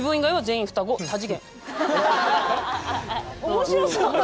面白そう。